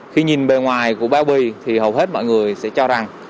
khi nhìn bề ngoài của bao bì thì hầu hết mọi người sẽ cho rằng